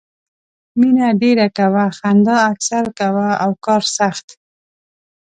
مینه ډېره کوه، خندا اکثر کوه او کار سخت.